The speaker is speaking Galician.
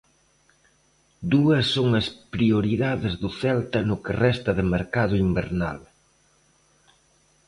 Dúas son as prioridades do Celta no que resta de mercado invernal.